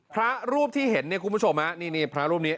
พระรูปที่เห็นเนี่ยคุณผู้ชมฮะนี่พระรูปนี้